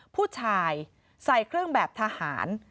ผู้ชายใส่เครื่องแบบทหาร